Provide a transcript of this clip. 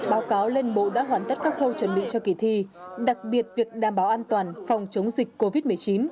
báo cáo lên bộ đã hoàn tất các khâu chuẩn bị cho kỳ thi đặc biệt việc đảm bảo an toàn phòng chống dịch covid một mươi chín